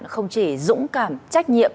không chỉ dũng cảm trách nhiệm